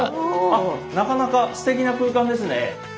あっなかなかすてきな空間ですね。